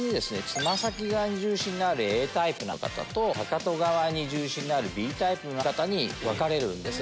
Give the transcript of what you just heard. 爪先側に重心のあるＡタイプの方とかかと側に重心のあるＢタイプの方に分かれるんです。